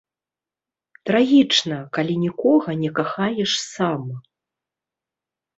Трагічна, калі нікога не кахаеш сам.